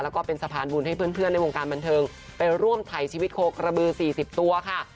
แล้วก็เป็นสะพานบุญให้เพื่อนในวงการบันเทิงไปร่วมถ่ายชีวิตโคกระบือ๔๐ตัวค่ะ